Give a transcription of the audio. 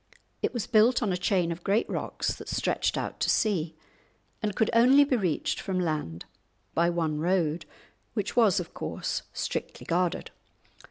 It was built on a chain of great rocks that stretched out to sea, and could only be reached from land by one road, which was, of course, strictly guarded.